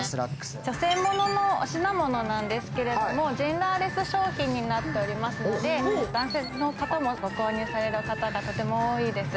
女性もののお品物なんですけれどもジェンダーレス商品になっていますので男性の方もご購入する方がとても多いです。